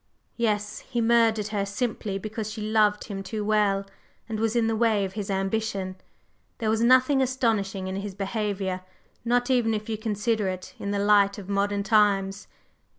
"Yes. He murdered her simply because she loved him too well and was in the way of his ambition. There was nothing astonishing in his behavior, not even if you consider it in the light of modern times.